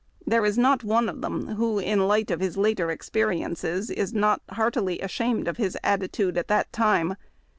There is not one of them who, in the light of later experiences, is not heartily ashamed of his attitude at that time.